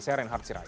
saya reinhard sirai